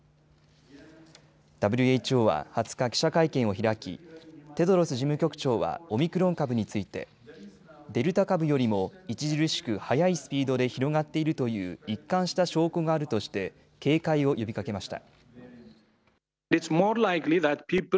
ＷＨＯは２０日、記者会見を開きテドロス事務局長はオミクロン株についてデルタ株よりも著しく速いスピードで広がっているという一貫した証拠があるとして警戒を呼びかけました。